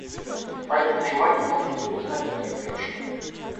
По этому желанию можно было узнать потерпевшую.